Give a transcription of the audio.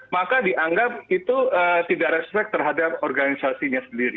maka dianggap itu tidak respect terhadap organisasinya sendiri